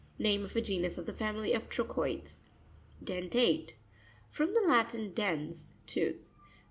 Name of a genus of the family of Trochoides. Den'rateE.— From the Latin, dens, tooth.